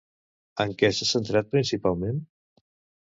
En què s'ha centrat principalment?